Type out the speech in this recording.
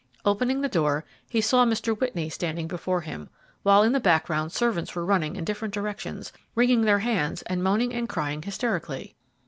Opening the door, he saw Mr. Whitney standing before him, while in the background servants were running in different directions, wringing their bands and moaning and crying hysterically.